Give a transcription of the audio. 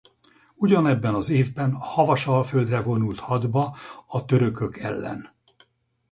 Ugyanebben az évben Havasalföldre vonult hadba a törökök ellen.